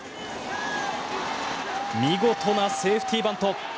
見事なセーフティーバント。